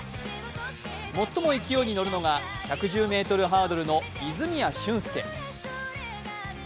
最も勢いに乗るのが１１０ｍハードルの泉谷駿介。